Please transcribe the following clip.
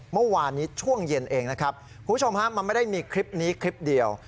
เมื่อวานนี้ช่วงเย็นเองนะครับคุณผู้ชมฮะมันไม่ได้มีคลิปนี้คลิปเดียว